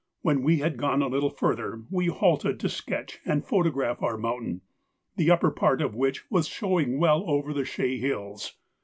When we had gone a little further, we halted to sketch and photograph our mountain, the upper part of which was showing well over the Chaix Hills.